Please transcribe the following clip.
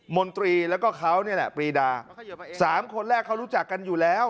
มนตรีแล้วก็เขานี่แหละปรีดาสามคนแรกเขารู้จักกันอยู่แล้ว